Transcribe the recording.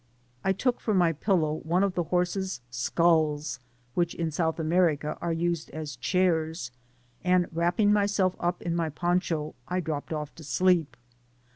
I took for my pillow one of the horses' skulls, which in South America are used as chairs, and wrapping myself up in my poncho, I dr<q)ped <^ to sleep.